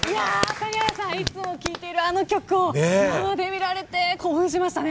谷原さんいつも聞いているあの曲を生で見られて興奮しましたね。